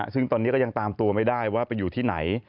ซึ่งตอนนี้ก็ยังตามตัวไม่ได้ว่าไปอยู่ที่ไหน